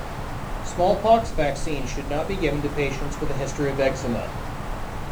Smallpox vaccine should not be given to patients with a history of eczema.